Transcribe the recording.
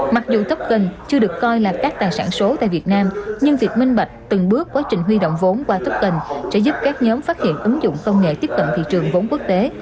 mặc dù token chưa được coi là các tài sản số tại việt nam nhưng việc minh bạch từng bước quá trình huy động vốn qua thấp tình sẽ giúp các nhóm phát hiện ứng dụng công nghệ tiếp cận thị trường vốn quốc tế